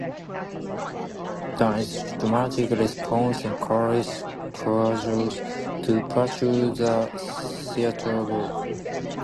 The enthusiastic response encouraged Cudjoe to pursue the theatre group.